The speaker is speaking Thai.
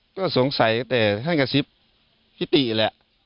ก็สงสัยแต่ให้กระซิบพี่ตีแหละ